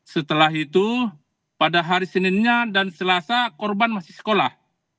setelah itu pada hari seninnya dan selasa korban masih sekolah